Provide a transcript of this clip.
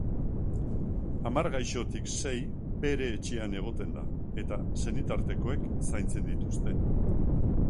Hamar gaixotik sei bere etxean egoten da, eta senitartekoek zaintzen dituzte.